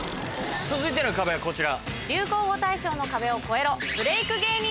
続いての壁はこちら。